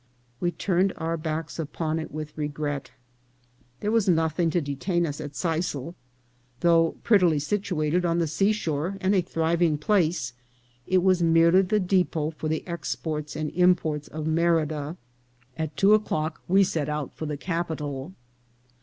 We turned our backs upon it with regret. There was nothing to detain us at Sisal. Though pret tily situated on the seashore and a thriving place, it was merely the depot of the exports and imports of Merida. At two o'clock we set out for the capital.